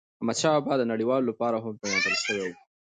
احمدشاه بابا د نړیوالو لپاره هم پېژندل سوی و.